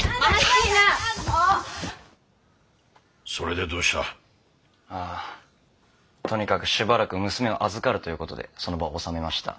それでどうした？はあとにかくしばらく娘を預かるという事でその場を収めました。